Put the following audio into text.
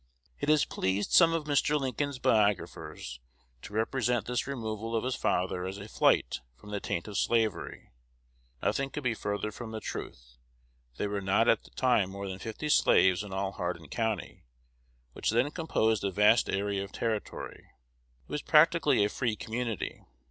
It has pleased some of Mr. Lincoln's biographers to represent this removal of his father as a flight from the taint of slavery. Nothing could be further from the truth. There were not at the time more than fifty slaves in all Hardin County, which then composed a vast area of territory. It was practically a free community.